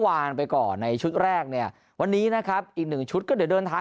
วานไปก่อนในชุดแรกเนี่ยวันนี้นะครับอีกหนึ่งชุดก็เดี๋ยวเดินทาง